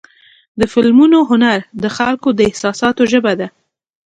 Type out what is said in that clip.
د فلمونو هنر د خلکو د احساساتو ژبه ده.